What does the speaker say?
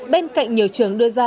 bên cạnh nhiều trường đưa ra